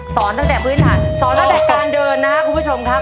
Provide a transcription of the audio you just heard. ตั้งแต่พื้นฐานสอนตั้งแต่การเดินนะครับคุณผู้ชมครับ